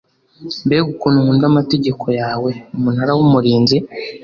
Mbega ukuntu nkunda amategeko yawe umunara w umurinzi